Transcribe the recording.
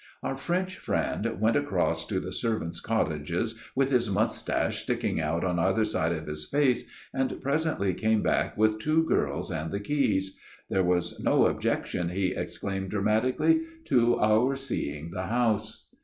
" Our French friend went across to the ser vants' cottages with his moustache sticking out on either side of his face, and presently came back with two girls and the keys. There was no objection, he exclaimed dramatically, to our seeing the house